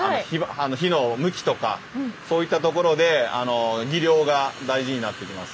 火の向きとかそういったところで技量が大事になってきます。